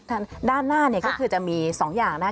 อ่าด้านหน้าก็คือจะมีสองอย่างนะ